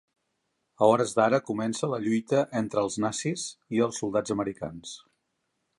A hores d'ara, comença la lluita entre els nazis i els soldats americans.